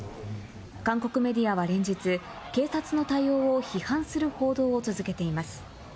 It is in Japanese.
韓国メディアは連日、警察の対応を批判する報道を続けています。